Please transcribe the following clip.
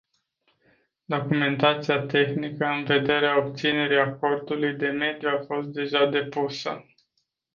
Documentația tehnică în vederea obținerii acordului de mediu a fost deja depusă.